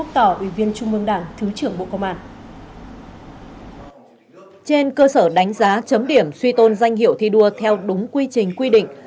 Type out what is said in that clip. trên cơ sở đánh giá chấm điểm suy tôn danh hiệu thi đua theo đúng quy trình quy định